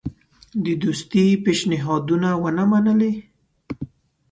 د دوستی پېشنهادونه ونه منلې.